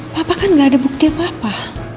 papa kan gak ada bukti apa apa